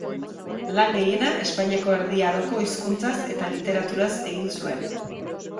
Lan gehiena Espainiako Erdi Aroko hizkuntzaz eta literaturaz egin zuen.